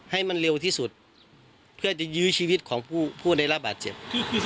ให้มันเร็วที่สุดเพื่อจะยื้อชีวิตของผู้ได้รับบาดเจ็บ